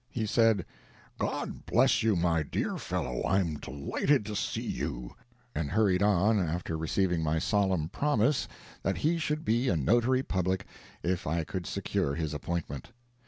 He said, "God bless you, my dear fellow—I'm delighted to see you—" and hurried on, after receiving my solemn promise that he should be a Notary Public if I could secure his appointment.